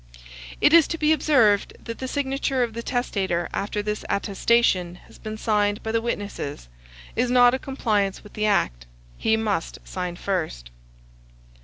It is to be observed that the signature of the testator after this attestation has been signed by the witnesses, is not a compliance with the act; he must sign first.